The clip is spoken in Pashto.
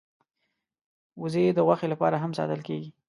وزې د غوښې لپاره هم ساتل کېږي